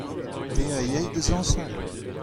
Te a yay da zañsal ?